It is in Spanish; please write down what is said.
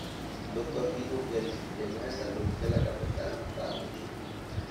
Un doctor dijo que el sistema de salud de la capital no estaba funcionando.